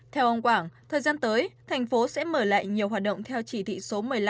theo ông quảng thời gian tới thành phố sẽ mở lại nhiều hoạt động theo chỉ thị số một mươi năm